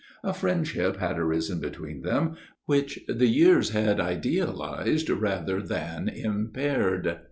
A friendship had arisen between them, which the years had idealized rather than impaired.